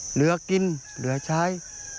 เหลือกินเหลือใช้